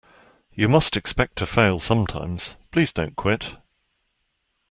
You must expect to fail sometimes; please don't quit.